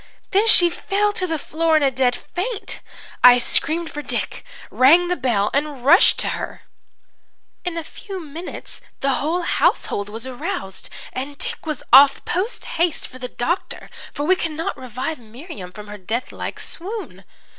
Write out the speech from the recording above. "Then she fell to the floor in a dead faint. "I screamed for Dick, rang the bell and rushed to her. "In a few minutes the whole household was aroused, and Dick was off posthaste for the doctor, for we could not revive Miriam from her death like swoon.